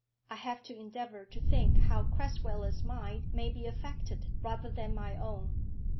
I have to endeavour to think how Crasweller's mind may be affected rather than my own.